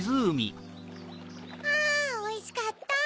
あおいしかった！